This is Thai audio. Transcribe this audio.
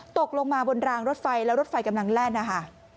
ตกลงมาบนรางรถไฟแล้วรถไฟกำลังแล่นนะคะ